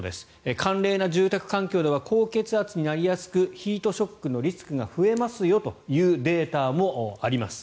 寒冷な住宅環境では高血圧になりやすくヒートショックのリスクが増えますよというデータもあります。